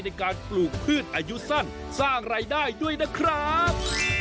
ในการปลูกพืชอายุสั้นสร้างรายได้ด้วยนะครับ